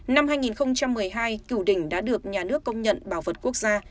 năm hai nghìn một mươi hai cửu đỉnh đã được nhà nước công nhận bảo vật quốc gia